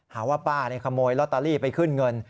หาว่าป้าขโมยลอตเตอรี่ไปขึ้นเงิน